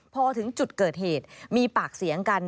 พอถึงจุดเกิดเหตุมีปากเสียงกัน